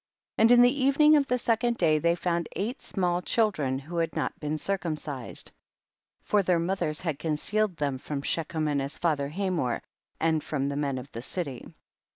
3. And in the evening of the sec ond day, they found eight small chil dren who had not been circumcised, for their mothers had concealed them from Shechem and his father Hamor, and from the men of the city.